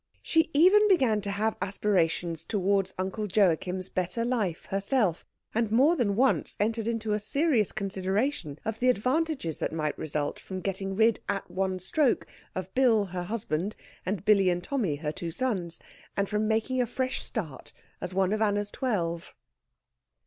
She even began to have aspirations towards Uncle Joachim's better life herself, and more than once entered into a serious consideration of the advantages that might result from getting rid at one stroke of Bill her husband, and Billy and Tommy her two sons, and from making a fresh start as one of Anna's twelve.